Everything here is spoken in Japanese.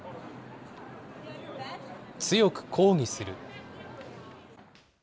強く抗議する。